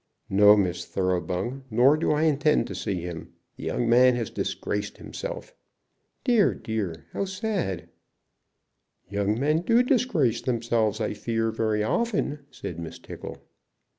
"No, Miss Thoroughbung; nor do I intend to see him. The young man has disgraced himself." "Dear, dear; how sad!" "Young men do disgrace themselves, I fear, very often," said Miss Tickle.